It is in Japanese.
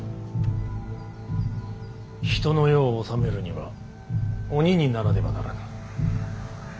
人の世を治めるには鬼にならねばならぬ。